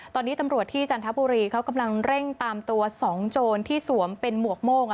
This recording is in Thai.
ตอนนี้ตำรวจที่จันทบุรีเขากำลังเร่งตามตัว๒โจรที่สวมเป็นหมวกโม่ง